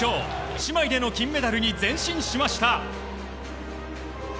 姉妹での金メダルに前進しました。